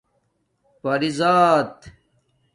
پری زات